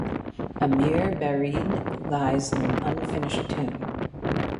Amir Barid lies in an unfinished tomb.